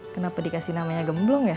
kenapa dikasih namanya gemblong ya